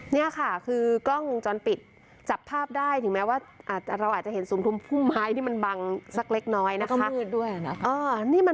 นี่ค่ะคือกล้องวงจรปิดจับภาพได้ถึงแม้ว่าเราอาจจะเห็นสุมทุมพุ่มไม้ที่มันบังสักเล็กน้อยนะคะ